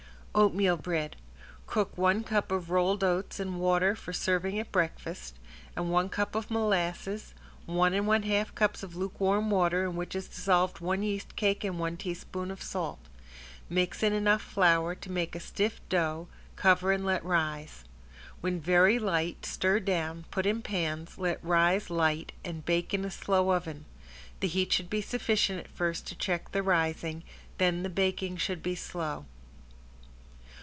~OATMEAL BREAD~ Cook one cup of rolled oats in water for serving at breakfast, and one cup of molasses, one and one half cups of lukewarm water in which is dissolved one yeast cake and one teaspoon of salt. Mix in enough flour to make a stiff dough, cover and let rise. When very light stir down, put in pans, let rise light and bake in a slow oven. The heat should be sufficient at first to check the rising, then the baking should be slow.